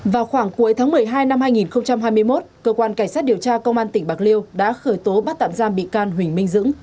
vào khoảng cuối tháng một mươi hai năm hai nghìn hai mươi một cơ quan cảnh sát điều tra công an tỉnh bạc liêu đã khởi tố bắt tạm giam bị can huỳnh minh dũng